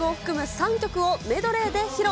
３曲をメドレーで披露。